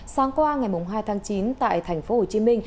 sáng qua ngày hai tháng chín tại tp hcm